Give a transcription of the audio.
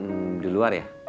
hmm di luar ya